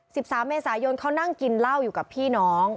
สามเมษายนเขานั่งกินเหล้าอยู่กับพี่น้อง